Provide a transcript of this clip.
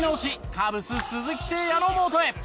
カブス鈴木誠也のもとへ。